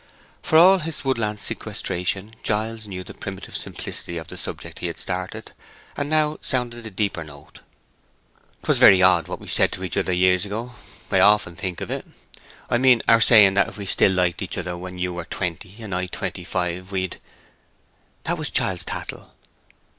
For all his woodland sequestration, Giles knew the primitive simplicity of the subject he had started, and now sounded a deeper note. "'Twas very odd what we said to each other years ago; I often think of it. I mean our saying that if we still liked each other when you were twenty and I twenty five, we'd—" "It was child's tattle."